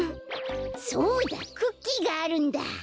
そうだクッキーがあるんだ。